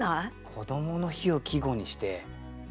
「こどもの日」を季語にして少子化を？